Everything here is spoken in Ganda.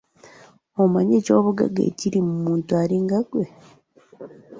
Omanyi ekyobugagga ekiri mu muntu alinga ggwe?